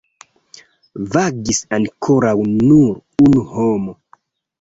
Vagis ankoraŭ nur unu homo.